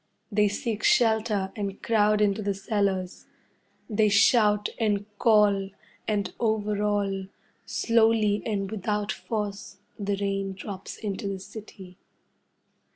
They seek shelter and crowd into the cellars. They shout and call, and over all, slowly and without force, the rain drops into the city.